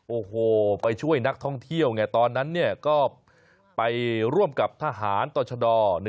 โอ้โหไปช่วยนักท่องเที่ยวไงตอนนั้นก็ไปร่วมกับทหารต่อชด